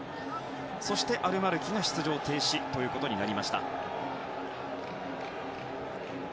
そして、アルマルキが出場停止となりました。